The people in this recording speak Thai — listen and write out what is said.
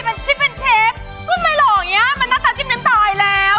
แน่ใจเหรอที่เป็นเชฟมันไม่หลอกเนี่ยมันน่าจะจิ้มตายแล้ว